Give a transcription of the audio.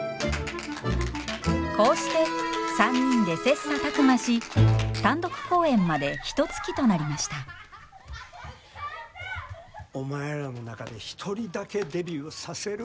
こうして３人で切磋琢磨し単独公演までひとつきとなりましたお前らの中で１人だけデビューさせる